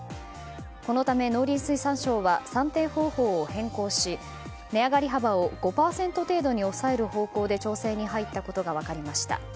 このため農林水産省は算定方法を変更し値上がり幅を５％程度に抑える方向で調整に入ったことが分かりました。